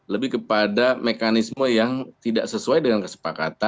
lebih kepada mekanisme yang tidak sesuai dengan kesepakatan